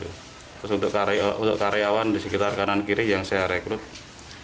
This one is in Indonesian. terus untuk karyawan di sekitar kanan kiri yang saya rekrut